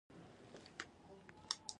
د اسلامي نړۍ ټینګې او مضبوطي کلاګانې کومي دي؟